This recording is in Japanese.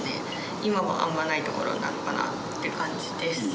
今はあんまりないところなのかなっていう感じです。